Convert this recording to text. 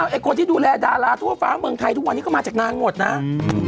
ไอ้คนที่ดูแลดาราทั่วฟ้าเมืองไทยทุกวันนี้ก็มาจากนางหมดนะ